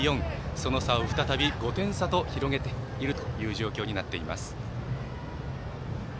その差を再び５点差と広げているという状況になっています。